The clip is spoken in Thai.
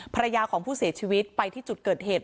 ภรรยาของผู้เสียชีวิตไปที่จุดเกิดเหตุ